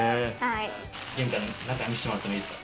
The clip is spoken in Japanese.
玄関、中見せてもらっていいですか？